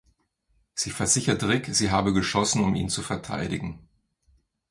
Sie versichert Rick, sie habe geschossen, um ihn zu verteidigen.